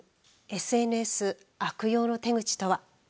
ＳＮＳ悪用の手口とは。